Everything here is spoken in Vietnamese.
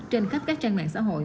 trên khắp các trang mạng xã hội